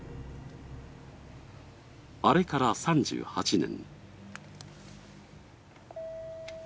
あれから３８年。